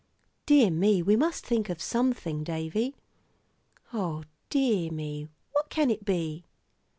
"Dear me, we must think of something, Davie. O dear me, what can it be?"